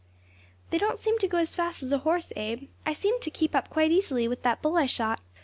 "They don't seem to go as fast as a horse, Abe. I seemed to keep up quite easily with that bull I shot."